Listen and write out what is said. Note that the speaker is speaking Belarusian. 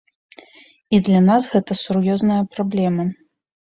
І для нас гэта сур'ёзная праблема.